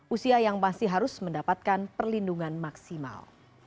usia yang masih harus mendapatkan perlindungan maksimal